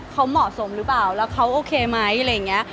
เขาเหมาะสมหรือเปล่าแล้วเขาโอเคไหมอะไรอย่างนี้